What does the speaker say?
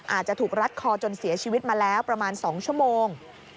อาจจะถูกรัดคอจนเสียชีวิตมาแล้วประมาณ๒ชั่วโมง